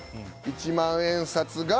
１万円札が。